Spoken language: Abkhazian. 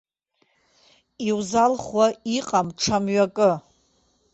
Иузалхуа иҟам ҽа мҩакы.